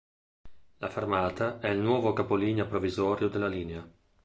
La fermata è il nuovo capolinea provvisorio della linea.